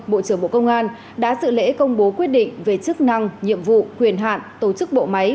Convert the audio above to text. bộ trưởng bộ công an đã sự lễ công bố quyết định về chức năng nhiệm vụ quyền hạn tổ chức bộ máy